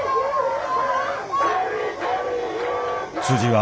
は